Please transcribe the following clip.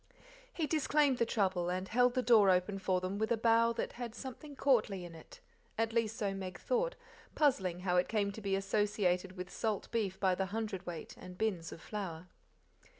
He disclaimed the trouble, and held the door open for them with a bow that had something courtly in it, at least so Meg thought, puzzling how it came to be associated with salt beef by the hundredweight and bins of flour.